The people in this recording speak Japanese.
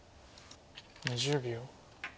２０秒。